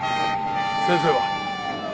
先生は？